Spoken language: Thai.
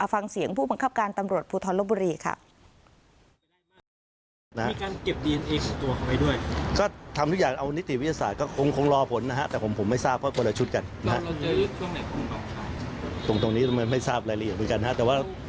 ฟังเสียงผู้บังคับการตำรวจภูทรลบบุรีค่ะ